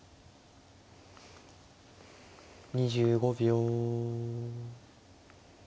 ２５秒。